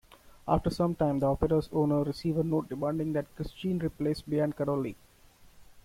After some time, the opera's owners receive a note demanding that Christine replace Biancarolli.